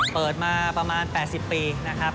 เปิดมาประมาณ๘๐ปีนะครับ